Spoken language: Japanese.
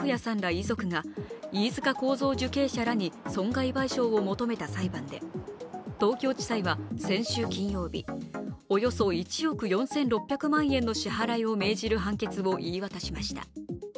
遺族が飯塚幸三受刑者らに損害賠償を求めた裁判で東京地裁は先週金曜日、およそ１億４６００万円の支払いを命じる判決を言い渡しました。